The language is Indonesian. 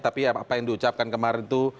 tapi apa yang diucapkan kemarin itu